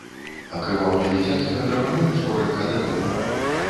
Акрываўлены дзядзька драпануў скоранька дадому.